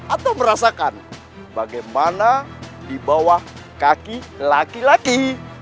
atau merasakan bagaimana di bawah kaki laki laki